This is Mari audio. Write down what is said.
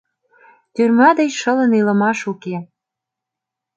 Тюрьма деч шылын илымаш уке.